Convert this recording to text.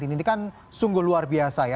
ini kan sungguh luar biasa ya